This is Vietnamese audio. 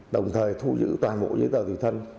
đồng thời thu giữ toàn bộ giấy tờ tùy thân